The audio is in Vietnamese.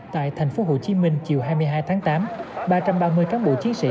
tại tp hcm chiều hai mươi hai tháng tám ba trăm ba mươi cán bộ chiến sĩ